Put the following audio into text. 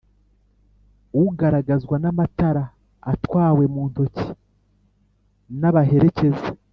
ugaragazwa n’amatara atwawe muntoki n’abaherekeza